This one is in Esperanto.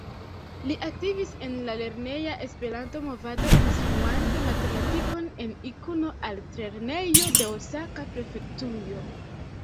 Li aktivis en la lerneja Esperanto-movado instruante matematikon en Ikuno-Altlernejo de Osaka-prefektujo.